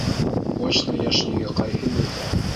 Почта йәшниге ҡайһы ерҙә?